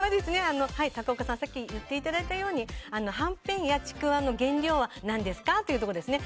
これは、高岡さんがさっき言っていただいたようにはんぺんやちくわの原料は何ですかということですね。